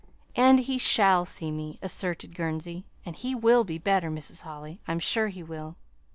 "And he shall see me," asserted Gurnsey. "And he will be better, Mrs. Holly, I'm sure he will."